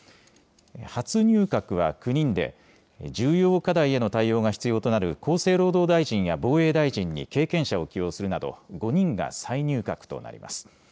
初入閣は９人で、重要課題への対応が必要となる厚生労働大臣や防衛大臣に経験者を起用するなど、５人が再入閣となります。